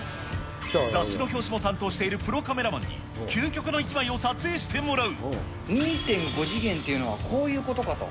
雑誌の表紙も担当しているプロカメラマンに、究極の一枚を撮影し２．５次元というのはこういうことかと。